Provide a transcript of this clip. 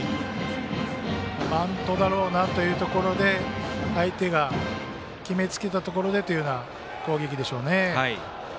バントだろうなというところで相手が決めつけたところでの攻撃でしょうね。